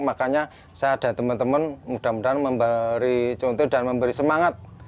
makanya saya dan teman teman mudah mudahan memberi contoh dan memberi semangat